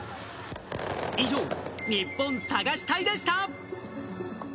以上、ニッポン探し隊でした。